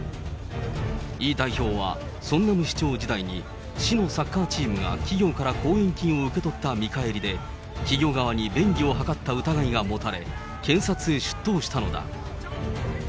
イ代表は、ソンナム市長時代に市のサッカーチームが企業から後援金を受け取った見返りで、企業側に便宜を図った疑いが持たれ、検察へ出頭したのだ。